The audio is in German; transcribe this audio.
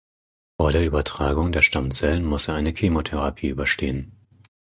Vor der Übertragung der Stammzellen muss er eine Chemotherapie überstehen.